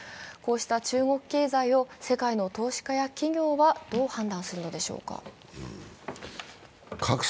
こうした中国経済を世界の投資家や企業はどう判断するのでしょうか。